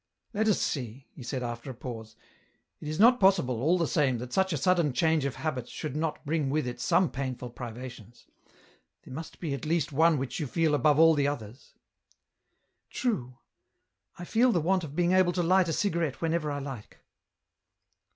*' Let us see," he said after a pause ;" it is not possible, all the same, that such a sudden change of habits should not bring with it some painful privations ; there must be at least one which you feel above all the others ?"" True, I feel the want of being able to light a cigarette whenever I like."